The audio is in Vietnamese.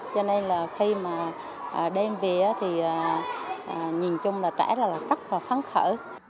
cho nên là khi mà đem về thì nhìn chung là trẻ là rất là phán khảo